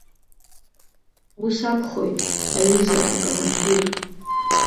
Ус акәхоит, аҩыза акомандир!